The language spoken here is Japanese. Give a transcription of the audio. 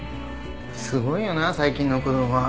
すごいよな最近の子供は。